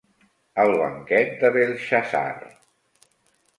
El banquet de Belshazaar.